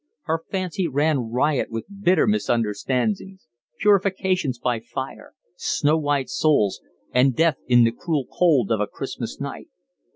Her fancy ran riot with bitter misunderstandings, purifications by fire, snow white souls, and death in the cruel cold of a Christmas night.